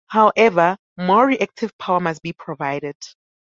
However, more reactive power must be provided.